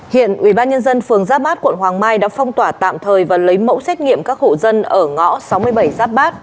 hiện ubnd phường giáp bát quận hoàng mai đã phong tỏa tạm thời và lấy mẫu xét nghiệm các hộ dân ở ngõ sáu mươi bảy giáp bát